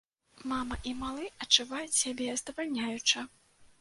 Мама і малы адчуваюць сябе здавальняюча!